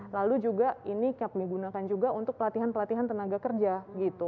lalu juga ini kepmi gunakan juga untuk pelatihan pelatihan tenaga kerja gitu